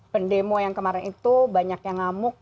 pendemo yang kemarin itu banyak yang ngamuk